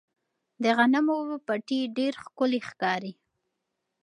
د غنمو پټي ډېر ښکلي ښکاري.